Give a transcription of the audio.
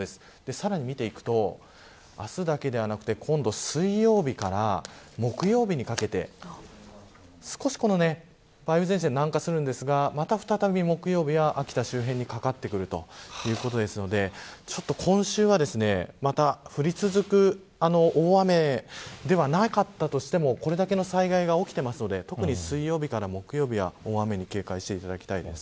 さらに見ていくと明日だけではなくて今度水曜日から木曜日にかけて少し梅雨前線が南下するんですがまた再び木曜日、秋田周辺にかかってくるということなので今週はまた降り続く大雨ではなかったとしてもこれだけの災害が起きているので特に水曜日から木曜日は大雨に警戒していただきたいです。